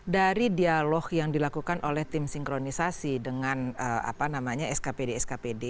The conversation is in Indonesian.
dari dialog yang dilakukan oleh tim sinkronisasi dengan skpd skpd